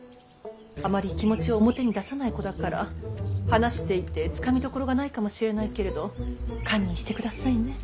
あまり気持ちを表に出さない子だから話していてつかみどころがないかもしれないけれど堪忍してくださいね。